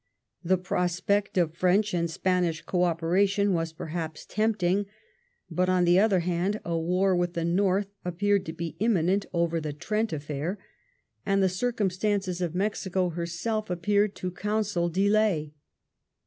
The prospect of French and Spanish co operation was perhaps tempting ; but, on the other hand, a war with the North appeared to be imminent over the Trent affair, and the circumstances of Mexico herself ap peared to counsel delay.